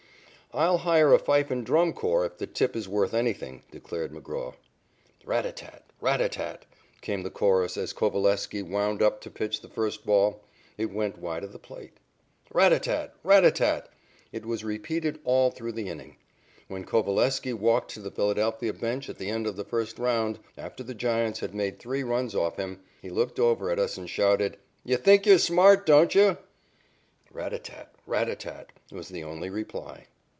"I'll hire a fife and drum corps if the tip is worth anything," declared McGraw. "Rat a tat tat! Rat a tat tat!" came the chorus as Coveleski wound up to pitch the first ball. It went wide of the plate. "Rat a tat tat! Rat a tat tat!" it was repeated all through the inning. When Coveleski walked to the Philadelphia bench at the end of the first round, after the Giants had made three runs off him, he looked over at us and shouted: "You think you're smart, don't you?" "Rat a tat tat! Rat a tat tat!" was the only reply.